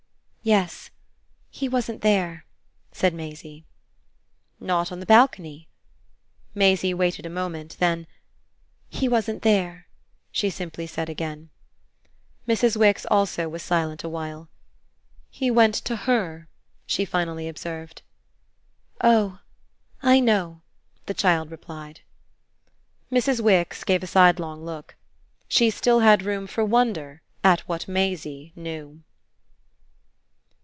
"Yes. He wasn't there," said Maisie. "Not on the balcony?" Maisie waited a moment; then "He wasn't there" she simply said again. Mrs. Wix also was silent a while. "He went to HER," she finally observed. "Oh I know!" the child replied. Mrs. Wix gave a sidelong look. She still had room for wonder at what Maisie knew.